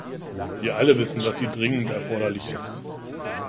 Wir alle wissen, dass sie dringend erforderlich ist.